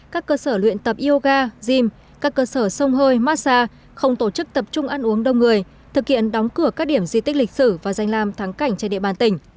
các cơ sở luyện tập yoga gym các cơ sở sông hơi massage không tổ chức tập trung ăn uống đông người thực hiện đóng cửa các điểm di tích lịch sử và danh làm thắng cảnh trên địa bàn tỉnh